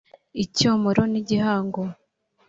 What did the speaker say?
icyomoro n’igihango